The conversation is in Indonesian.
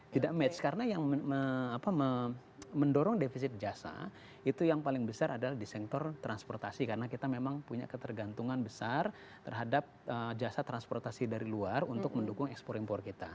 tidak match karena yang mendorong defisit jasa itu yang paling besar adalah di sektor transportasi karena kita memang punya ketergantungan besar terhadap jasa transportasi dari luar untuk mendukung ekspor impor kita